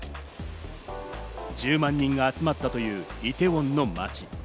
１０万人が集まったというイテウォンの街。